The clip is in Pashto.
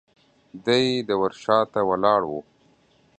دی د ور شاته ولاړ و.